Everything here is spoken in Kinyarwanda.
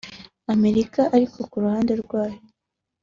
Amerika ariko ku ruhande rwayo